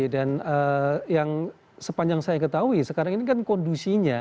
dan yang sepanjang saya ketahui sekarang ini kan kondusinya